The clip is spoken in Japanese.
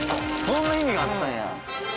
そんな意味があったんや。